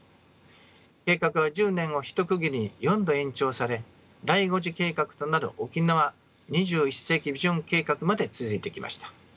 計画は１０年を一区切りに４度延長され第五次計画となる沖縄２１世紀ビジョン計画まで続いてきました。